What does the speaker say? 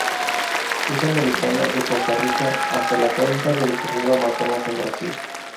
Es americana, de Costa Rica hasta la cuenca del río Amazonas en Brasil.